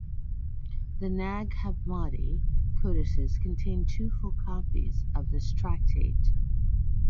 The Nag Hammadi codices contain two full copies of this tractate.